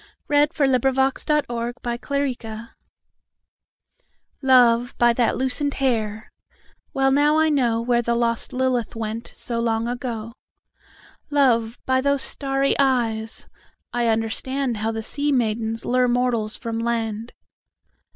Bliss Carman 1861–1929 Song Carman B LOVE, by that loosened hairWell now I knowWhere the lost Lilith wentSo long ago. Love, by those starry eyesI understandHow the sea maidens lureMortals from land.